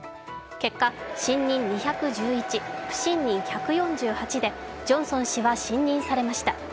結果、信任２１１、不信任１４８でジョンソン氏は信任されました。